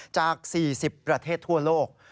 จาก๔๐ประเทศทั่วโลก